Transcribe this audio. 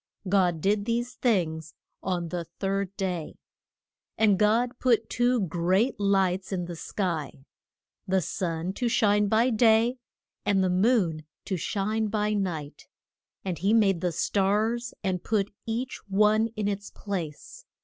God did these things on the third day. And God put two great lights in the sky, the Sun to shine by day, and the Moon to shine by night; and he made the stars, and put each one in its place.